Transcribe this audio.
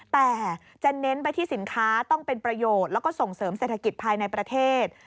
แต่จะเน้นไปที่สินค้าต้องเป็นประโยชน์แล้วก็ส่งเสริมเศรษฐกิจภายในประเทศ